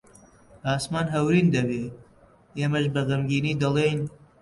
ئاسمان هەورین دەبێ، ئێمەش بە غەمگینی دەڵێین: